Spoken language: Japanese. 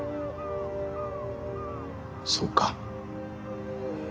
そうか。